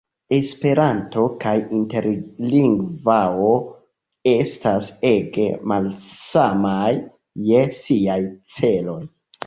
Esperanto kaj interlingvao estas ege malsamaj je siaj celoj.